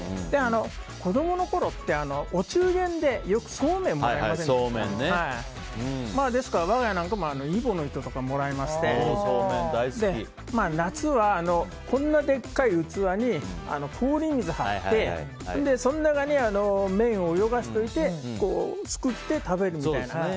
子供のころってお中元でよくそうめんをいただいていたんですがですから、我が家も揖保乃糸とかをもらいまして夏は、こんなでっかい器に氷水を張ってその中に麺を泳がせておいてすくって食べるみたいな。